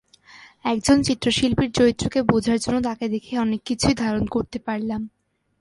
একজন চিত্রশিল্পীর চরিত্রকে বোঝার জন্য তাঁকে দেখে অনেক কিছুই ধারণ করতে পারলাম।